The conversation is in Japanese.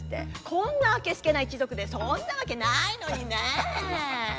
こんなあけすけな一族でそんなわけないのにねえ。